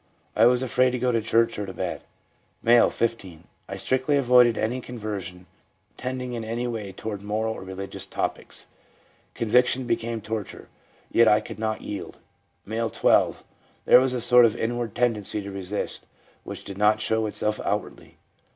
I was afraid to go to church or to bed.' M., 15. * I strictly avoided any conversation tending in any way toward moral or religious topics. Conviction became torture, yet I could not yield/ M., 12. ' There was a sort of inward tendency to resist, which did not show itself outwardly/ F.